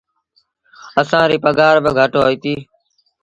اسآݩ ريٚ پگھآر با گھٽ هوئيتيٚ۔